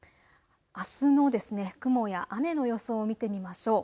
あすの雲や雨の予想を見てみましょう。